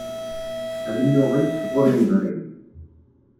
Amennuɣ-is ur yedrig.